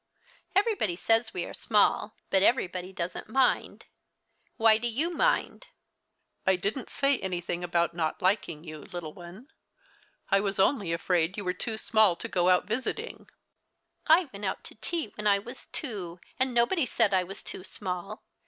Everybody says we are small, but everybody doesn't mind. Why do you mind ?" "I didn't say anything about not liking yon, little one. I was only afraid you were too small to go out visiting." " I went out to tea when I was two, and nobody said I was too small.